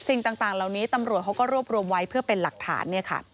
สิ่งต่างเหล่านี้ตำรวจเขาก็รวบรวมไว้เพื่อเป็นหลักฐาน